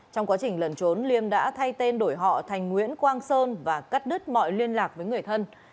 trong quá trình lần trốn liêm đã thay tên đổi họ thành nguyễn quang sơn và cắt đứt mọi liên lạc với người thân